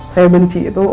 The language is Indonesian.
saya benci itu